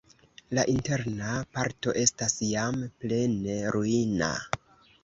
La interna parto estas jam plene ruina.